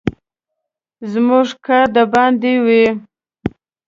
زموږ کار د باندې وي.